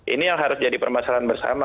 ini yang harus jadi permasalahan bersama